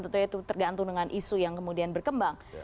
tentunya itu tergantung dengan isu yang kemudian berkembang